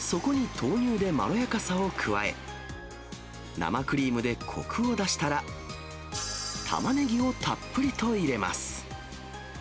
そこに豆乳でまろやかさを加え、生クリームでコクを出したら、タマネギをたっぷりと入れます。